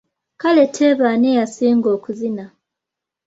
Kale teeba ani yasinga okuzina?